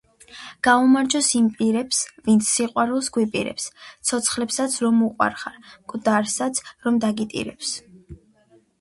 გაუმარჯოს იმ პირებს, ვინც სიყვარულს გვიპირებს, ცოცხლებსაც რომ უყვარხარ, მკვდარსაც რომ დაგიტირებს.